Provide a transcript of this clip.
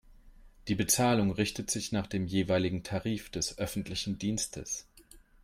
Die Bezahlung richtet sich nach dem jeweiligen Tarif des öffentlichen Dienstes.